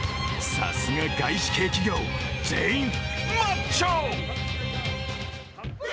さすが外資系企業、全員マッチョ。